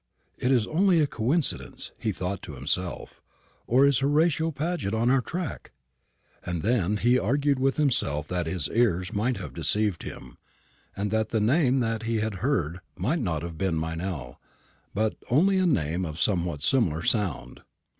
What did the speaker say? "Is it only a coincidence," he thought to himself, "or is Horatio Paget on our track?" And then he argued with himself that his ears might have deceived him, and that the name he had heard might not have been Meynell, but only a name of somewhat similar sound.